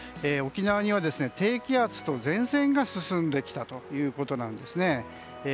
沖縄には低気圧と前線が進んできたということなんですね。